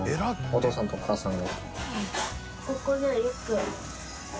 お父さんとお母さん。